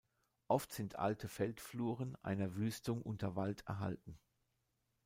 Oft sind alte Feldfluren einer Wüstung unter Wald erhalten.